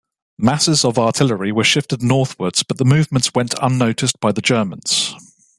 Masses of artillery were shifted northwards, but the movements went unnoticed by the Germans.